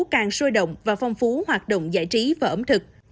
càng sôi động và phong phú hoạt động giải trí và ẩm thực